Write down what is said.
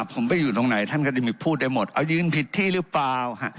ผมไปอยู่ตรงไหนท่านก็จะพูดได้หมดเอายืนผิดที่หรือเปล่า